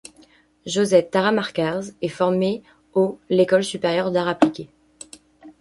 Josette Taramarcaz est formée au L'École supérieure d'arts appliqués.